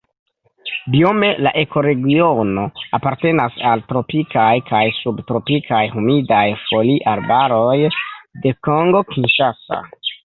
Biome la ekoregiono apartenas al tropikaj kaj subtropikaj humidaj foliarbaroj de Kongo Kinŝasa.